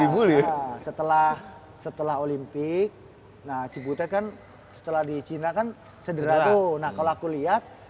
setelah setelah olimpik nah cipute kan setelah di china kan cedera tuh nah kalau aku lihat